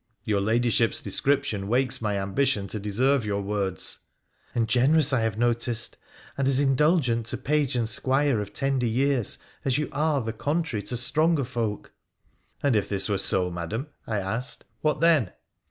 ' Your Ladyship's description wakes my ambition to deserve your words.' ' And generous, I have noticed, and as indulgent to page and squire of tender years as you are the contrary to stronger folk.' ' And if this Were so, Madam,' I asked, ' what then